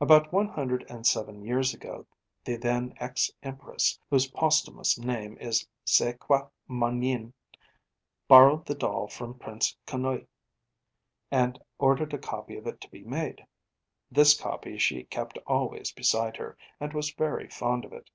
'About one hundred and seven years ago, the then Ex Empress, whose posthumous name is Sei Kwa Mon Yin, borrowed the doll from Prince Konoye, and ordered a copy of it to be made. This copy she kept always beside her, and was very fond of it.